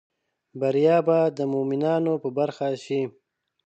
بریا به د مومینانو په برخه شي